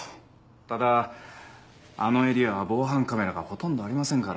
ただあのエリアは防犯カメラがほとんどありませんから。